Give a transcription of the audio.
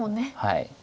はい。